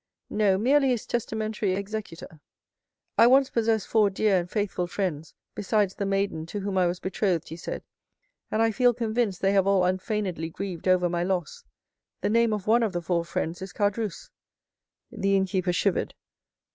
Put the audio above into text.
"No, merely his testamentary executor. 'I once possessed four dear and faithful friends, besides the maiden to whom I was betrothed' he said; 'and I feel convinced they have all unfeignedly grieved over my loss. The name of one of the four friends is Caderousse.'" The innkeeper shivered.